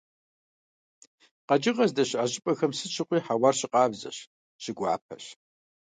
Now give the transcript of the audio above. КъэкӀыгъэ здэщыӀэ щӀыпӀэхэм сыт щыгъуи хьэуар щыкъабзэщ, щыгуапэщ.